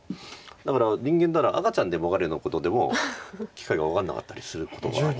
だから人間なら赤ちゃんでも分かるようなことでも機械が分かんなかったりすることがあるんで。